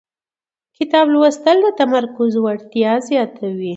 کتاب لوستل د تمرکز وړتیا زیاتوي